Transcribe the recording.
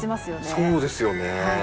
そうですよね。